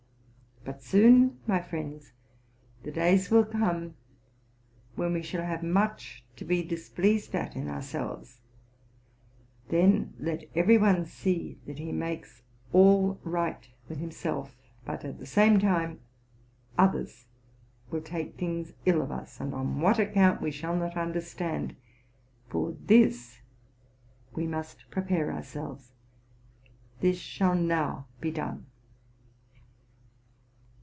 But soon, my friends, the days will come when we shall have much to be displeased at in ourselves ; then, let every one see that he makes all right with himself ; but, at the same time, others will take things ill of us, and on what account we shall not understand; for this we must prepare ourselves ; this shall now be done."